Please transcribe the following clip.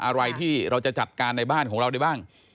อะไรที่เราจะจัดการในบ้านของเราได้บ้าง